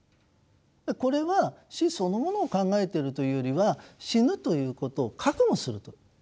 これは死そのものを考えてるというよりは死ぬということを覚悟するということだと思うんですね。